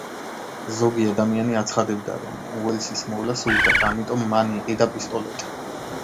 ზოგი ადამიანი აცხადებდა, რომ უელსის მოვლა სურდათ, ამიტომ მან იყიდა პისტოლეტი.